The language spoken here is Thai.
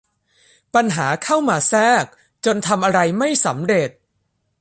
ปัญหาเข้ามาแทรกจนทำอะไรไม่สำเร็จ